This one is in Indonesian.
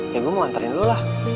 ya gua mau anterin dulu lah